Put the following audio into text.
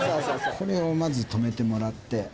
これをまず留めてもらって。